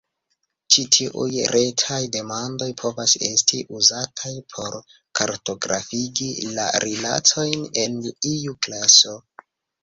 Ĉi tiuj retaj demandoj povas esti uzataj por kartografigi la rilatojn en iu klaso.